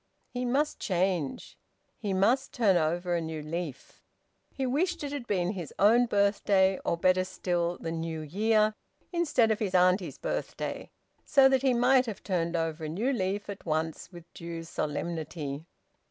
He must change. He must turn over a new leaf. He wished it had been his own birthday, or, better still, the New Year, instead of his auntie's birthday, so that he might have turned over a new leaf at once with due solemnity.